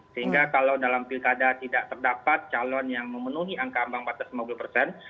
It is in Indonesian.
sehingga kalau dalam pilkada tidak terdapat calon yang memenuhi angka ambang batas lima puluh persen